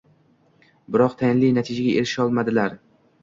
Biroq tayinli natijaga erisholmadilar